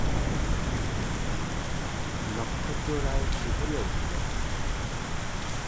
নক্ষত্ররায় শিহরিয়া উঠিলেন।